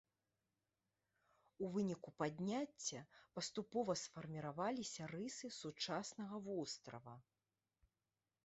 У выніку падняцця паступова сфарміраваліся рысы сучаснага вострава.